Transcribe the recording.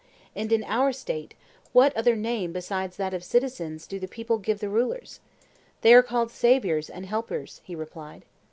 And in our State what other name besides that of citizens do the people give the rulers? They are called saviours and helpers, he replied.